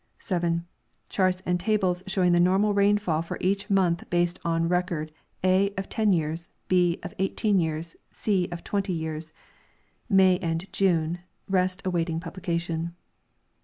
7. Charts and tables showing the normal rainfall for each month based on record (a) of 10 years ; (h) of 18 years ; (c) of 20 years (May and June; rest awaiting publication).